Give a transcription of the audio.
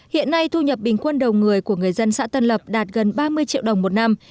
hiện nay thu nhập bình quân đầu người của người dân xã tân lập đạt gần ba mươi triệu đồng một năm